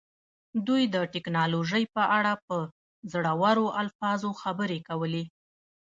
دوی د ټیکنالوژۍ په اړه په زړورو الفاظو خبرې کولې